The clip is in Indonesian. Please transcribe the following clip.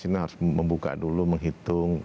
ini harus membuka dulu menghitung